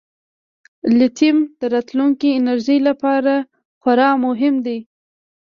لیتیم د راتلونکي انرژۍ لپاره خورا مهم دی.